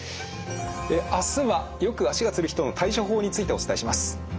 明日はよく足がつる人の対処法についてお伝えします。